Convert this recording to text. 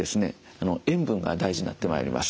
塩分が大事になってまいります。